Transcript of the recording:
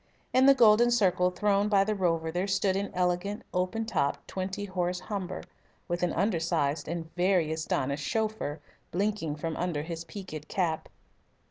In the golden circle thrown by the rover there stood an elegant, open topped, twenty horse Humber, with an undersized and very astonished chauffeur blinking from under his peaked cap.